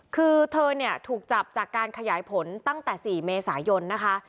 คือเธอเนี่ยถูกจับจากการขยายผลตั้งแต่๔เมษายนนะคะ